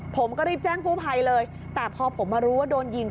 ผมก็รีบแจ้งกู้ภัยเลยแต่พอผมมารู้ว่าโดนยิง